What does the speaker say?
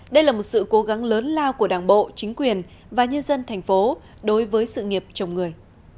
đây là một sự cố gắng lớn lao của đảng bộ chính quyền và nhân dân thành phố đối với sự nghiệp chồng người